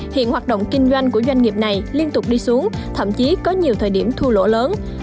hiện hoạt động kinh doanh của doanh nghiệp này liên tục đi xuống thậm chí có nhiều thời điểm thua lỗ lớn